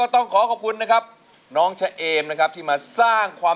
ตอนนี้เวทีของเราก็โล่งอยู่